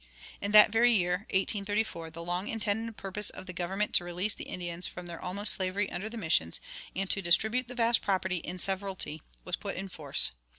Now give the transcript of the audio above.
In that very year (1834) the long intended purpose of the government to release the Indians from their almost slavery under the missions, and to distribute the vast property in severalty, was put in force.